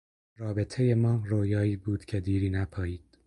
رابطهی ما رویایی بود که دیری نپایید.